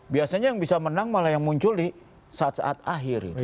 biasanya yang bisa menang malah yang muncul di saat saat akhir